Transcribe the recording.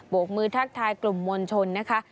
กมือทักทายกลุ่มมวลชนนะคะ